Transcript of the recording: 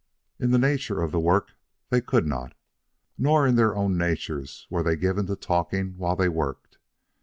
In the nature of the work they could not, nor in their own natures were they given to talking while they worked.